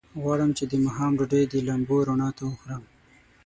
غواړم چې د ماښام ډوډۍ د لمبو رڼا ته وخورم.